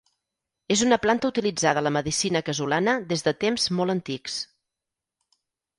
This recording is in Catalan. És una planta utilitzada a la medicina casolana des de temps molt antics.